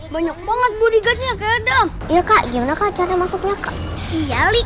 banyak banget bodyguardnya ke adam iya kak gimana kacau masuknya kak iyalik